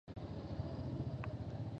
د هغوی جونګړه د ږلۍ وریدېنې له امله ونړېده